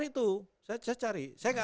itu saya cari